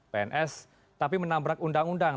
pns tapi menabrak undang undang